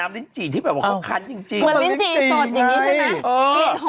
ลิ้นจี่ที่แบบว่าเขาคันจริงเหมือนลิ้นจี่สดอย่างนี้ใช่ไหม